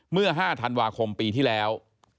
เมื่อ๕ธันวาคมปีที่แล้ว